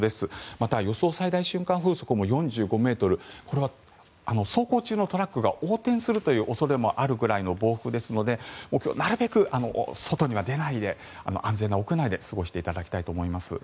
また、予想最大瞬間風速も４５ｍこれは走行中のトラックが横転する恐れもあるぐらいの暴風ですので今日なるべく外には出ないで安全な屋内で過ごしていただきたいと思います。